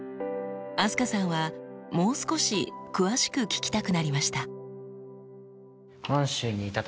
飛鳥さんはもう少し詳しく聞きたくなりました。